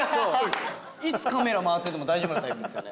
いつカメラ回ってても大丈夫なタイプですよね。